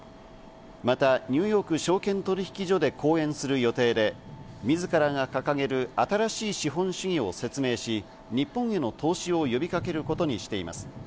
またニューヨーク証券取引所で講演する予定で、自らが掲げる新しい資本主義を説明し、日本への投資を呼びかけることにしています。